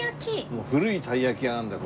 もう古いたいやき屋なんだけど。